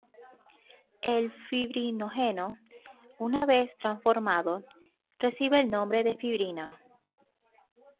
El fibrinógeno, una vez transformado, recibe el nombre de fibrina.